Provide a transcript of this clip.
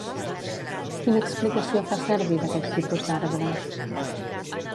Quina explicació fa Servi d'aquest tipus d'arbre?